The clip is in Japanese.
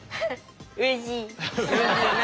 うれしい！